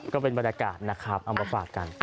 ก็เป็นบรรยากาศนะครับเอามาฝากกัน